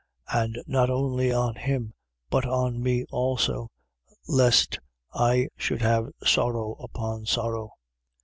And not only on him, but on me also, lest I should have sorrow upon sorrow.